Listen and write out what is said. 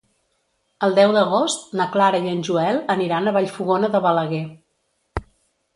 El deu d'agost na Clara i en Joel aniran a Vallfogona de Balaguer.